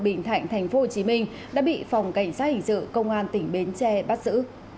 bình thạnh thành phố hồ chí minh đã bị phòng cảnh sát hình dự công an tỉnh bến tre bắt giữ